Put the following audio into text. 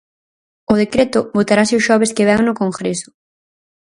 O decreto votarase o xoves que vén no Congreso.